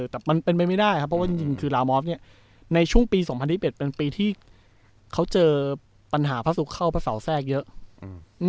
แต่มันเป็นไปไม่ได้ครับเพราะว่าจริงคือลามอฟเนี่ยในช่วงปีสองพันยี่สิบเอ็ดเป็นปีที่เขาเจอปัญหาพระศุกร์เข้าพระเสาแทรกเยอะอืม